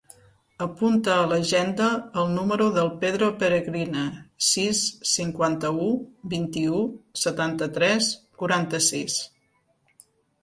Apunta a l'agenda el número del Pedro Peregrina: sis, cinquanta-u, vint-i-u, setanta-tres, quaranta-sis.